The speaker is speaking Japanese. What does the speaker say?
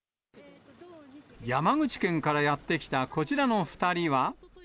山口県からやって来たこちらの２人は。